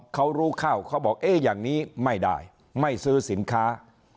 เขารู้เข้าเขาบอกเอ๊ะอย่างนี้ไม่ได้ไม่ซื้อสินค้า